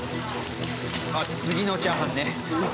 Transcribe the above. あっ次のチャーハンね。